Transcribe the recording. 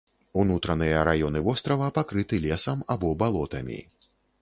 Унутраныя раёны вострава пакрыты лесам або балотамі.